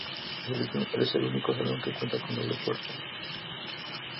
Es el único salón que cuenta con doble puerta.